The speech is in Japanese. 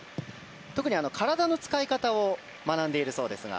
特に体の使い方を学んでいるそうですが。